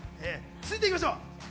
続いていきましょう。